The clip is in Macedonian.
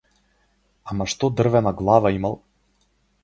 Ама што дрвена глава имал.